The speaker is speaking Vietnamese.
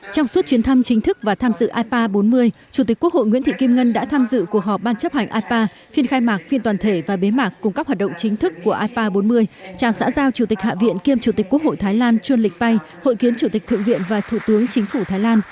trong suốt chuyến thăm chính thức và tham dự ipa bốn mươi chủ tịch quốc hội nguyễn thị kim ngân đã tham dự cuộc họp ban chấp hành ipa phiên khai mạc phiên toàn thể và bế mạc cùng các hoạt động chính thức của ipa bốn mươi chào xã giao chủ tịch hạ viện kiêm chủ tịch quốc hội thái lan chuân lịch bay hội kiến chủ tịch thượng viện và thủ tướng chính phủ thái lan